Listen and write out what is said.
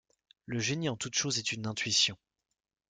Le génie en toute chose est une intuition.